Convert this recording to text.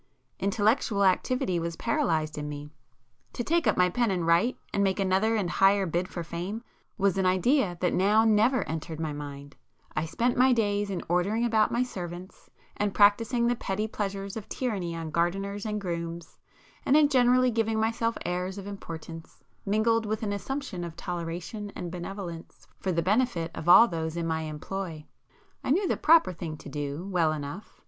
Intellectual activity was paralysed in me,—to take up my pen and write, and make another and higher bid for fame, was an idea that now never entered my mind; I spent my days in ordering about my servants, and practising the petty pleasures of tyranny on gardeners and grooms, and in generally giving myself airs of importance, mingled with an assumption of toleration and benevolence, for the benefit of all those in my employ. I knew the proper thing to do, well enough!